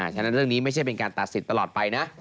ฉะนั้นเรื่องนี้ไม่ใช่เป็นการตัดสิทธิ์ตลอดไปนะ